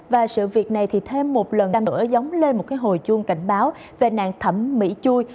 và sự việc này thì thêm một lần đăng bữa giống lên một hồi chuông cảnh báo về nạn thẩm mỹ chui